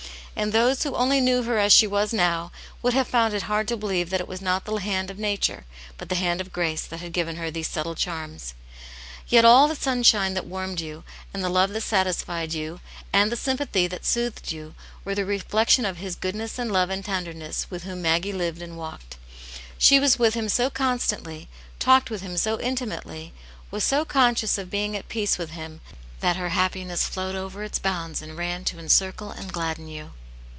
And those who only knew her as she was now would have found it hard to believe that it was not the hand of nature, but the hand of grace that had given her these subtle charms. Yet all the sunshine that warmed you, and the love that satisfied you, and the sympathy that soothed you were the teft^cWotv ^l Ylv^ ^sJ^^^^sr.^^ 126 Aunt Jane's Hero. and love and tenderness, with whom Maggie lived and walked. She was with him so constantly, talked with Him so intimately, was so conscious of being at peace with Him that her happiness flowed over its bounds and ran to encircle and gladden you.